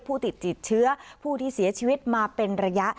ผู้ติดเชื้อผู้ที่เสียชีวิตมาเป็นระยะ